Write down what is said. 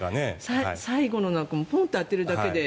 最後のなんかポンと当てるだけで。